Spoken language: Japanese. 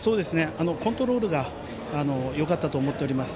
コントロールがよかったと思っております。